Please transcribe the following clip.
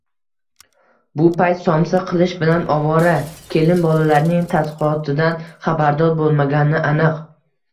Bu payt somsa qilish bilan ovora kelin bolalarining tadqiqotidan xabardor bo`lmagani aniq